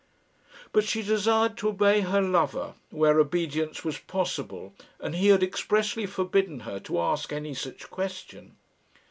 But she desired to obey her lover where obedience was possible, and he had expressly forbidden her to ask any such question.